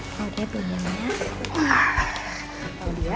oh dia sini putrinya